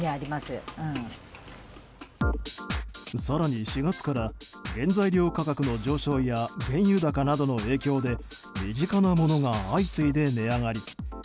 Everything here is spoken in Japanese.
更に、４月から原材料価格の上昇や原油高などの影響で身近なものが相次いで値上がり。